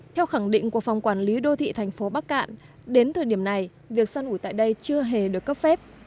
theo khẳng định của phòng quản lý đô thị thành phố bắc cạn đến thời điểm này việc săn ủi tại đây chưa hề được cấp phép